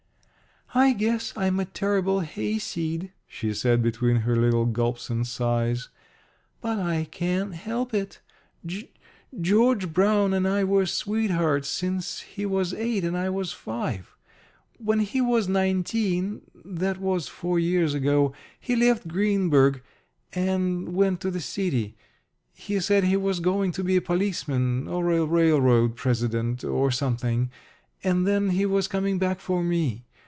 "I guess I'm a terrible hayseed," she said between her little gulps and sighs, "but I can't help it. G George Brown and I were sweethearts since he was eight and I was five. When he was nineteen that was four years ago he left Greenburg and went to the city. He said he was going to be a policeman or a railroad president or something. And then he was coming back for me.